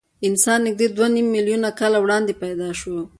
انسان نږدې دوه نیم میلیونه کاله وړاندې پیدا شو.